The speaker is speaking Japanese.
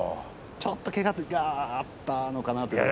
ちょっとけががあったのかなと。